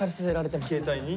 携帯に？